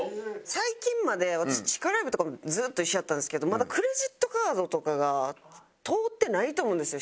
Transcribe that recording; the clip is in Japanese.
最近まで私地下ライブとかずっと一緒やったんですけどまだクレジットカードとかが通ってないと思うんですよ